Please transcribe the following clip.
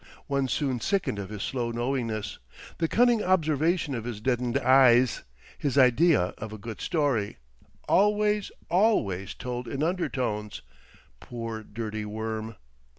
One soon sickened of his slow knowingness, the cunning observation of his deadened eyes, his idea of a "good story," always, always told in undertones, poor dirty worm!